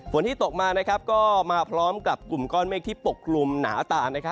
ที่ตกมาก็มาพร้อมกับกลุ่มก้อนเมฆที่ปกคลุมหนาตา